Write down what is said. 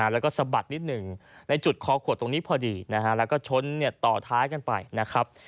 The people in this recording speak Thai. แล้วก็สะบัดนิดหนึ่งในจุดคอขวดตรงนี้พอดีนะฮะแล้วก็ชนต่อท้ายกันไปนะครับ